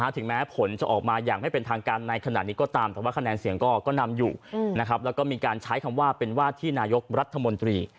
ถึงแม้ผลจะออกมาอย่างไม่เป็นทางการในขณะนี้ก็ตามแต่ว่าคะแนนเสียงก็นำอยู่นะครับแล้วก็มีการใช้คำว่าเป็นวาดที่นายกรัฐมนตรี